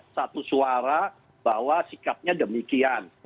satu suara bahwa sikapnya demikian